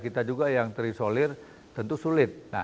kita juga yang terisolir tentu sulit